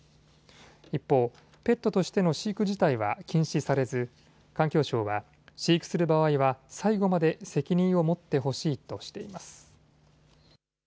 一方、ペットとしての飼育自体は禁止されず、環境省は飼育する場合は最後まで責任を持ってほしいとしています。